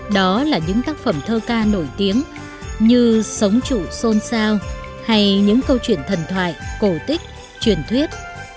đó là những tác phẩm thơ ca nổi tiếng như sống chủ sôn sao hay những câu chuyện thần thoại cổ tích truyền thuyết